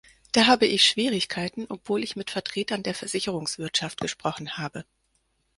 Da habe ich Schwierigkeiten, obwohl ich mit Vertretern der Versicherungswirtschaft gesprochen habe.